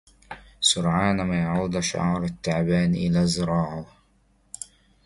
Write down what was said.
The emblem of the snake soon returns to her arm.